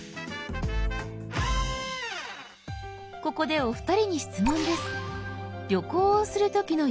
ここでお二人に質問です。